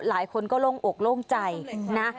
หลายคนก็โล่งอกโล่งใจนะ